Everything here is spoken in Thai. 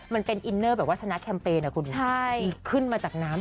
มันเป็นอินเนอร์แบบว่าชนะแคมเปญนะคุณขึ้นมาจากน้ำ